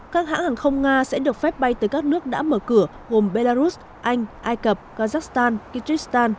các hãng hàng không nga sẽ được phép bay tới các nước đã mở cửa gồm belarus anh ai cập kazakhstan kyrgyzstan